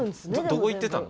どこ行ってたの？